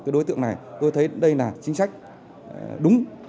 đối tượng này tôi thấy đây là chính sách đúng